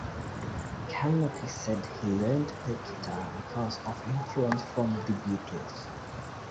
Kalnoky said he learned to play guitar because of influence from The Beatles.